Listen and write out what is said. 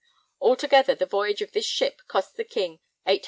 Altogether, the voyage of this ship cost the King '800_l.